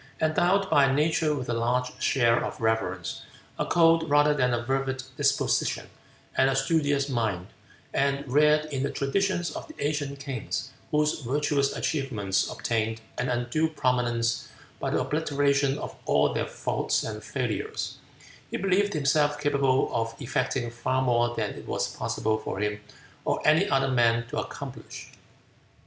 Endowed by nature with a large share of reverence, a cold rather than a fervid disposition, and a studious mind, and reared in the traditions of the ancient kings, whose virtuous achievements obtained an undue prominence by the obliteration of all their faults and failures, he believed himself capable of effecting far more than it was possible for him or any other man to accomplish.